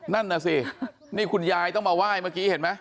นั่นน่ะสินี่คุณยายต้องมาไหว้เมื่อกี้เห็นไหม